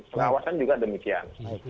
pengawasan juga demikian